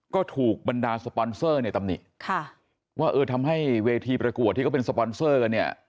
ก็ถูกบรรดาสปอนเซอร์ในตำหนิค่ะว่าเออทำให้เวทีประกวดที่เขาเป็นสปอนเซอร์กันเนี่ย